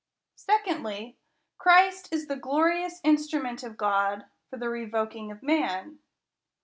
Secondly, Christ is the glorious instrument of God for the revoking of man.